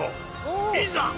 いざ！